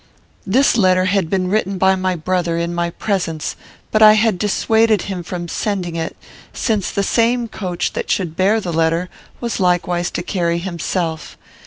This letter had been written by my brother, in my presence, but I had dissuaded him from sending it, since the same coach that should bear the letter was likewise to carry himself.